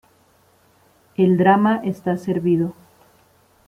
El drama está servido.